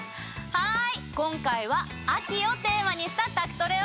はい！